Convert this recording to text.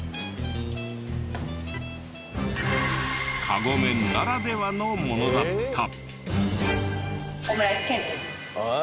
カゴメならではのものだった！